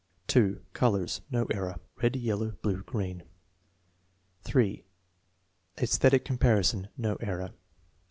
Colors. (No error.) Red; yellow; blue; green. 3. ^Esthetic comparison. (No error.)